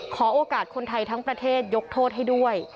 ขอโอกาสคนไทยทั้งประเทศยกโทษให้ด้วย